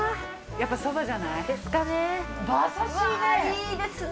やっぱそばじゃない？ですかね。